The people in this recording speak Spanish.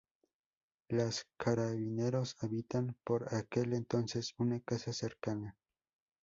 Los carabineros habitan por aquel entonces una casa cercana.